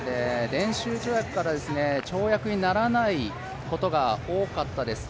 練習跳躍から跳躍にならないことが多かったです。